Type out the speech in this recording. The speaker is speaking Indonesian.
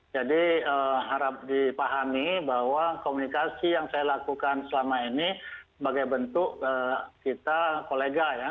jadi harap dipahami bahwa komunikasi yang saya lakukan selama ini sebagai bentuk kita kolega ya